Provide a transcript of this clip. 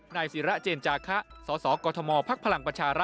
นายสิระเจนจาคะสสกฎมพปป